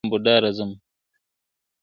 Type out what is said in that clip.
ښکلی زلمی در څخه تللی وم بوډا راځمه `